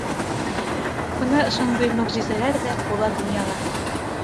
Бына ошондай мөғжизәләр ҙә була донъяла.